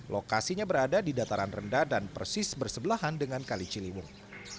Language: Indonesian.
lokasinya berada di dataran rendah dan persis bersebelahan dengan kali ciliwung